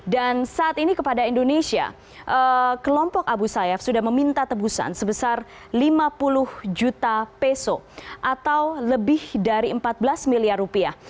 dan saat ini kepada indonesia kelompok abu sayyaf sudah meminta tebusan sebesar lima puluh juta peso atau lebih dari empat belas miliar rupiah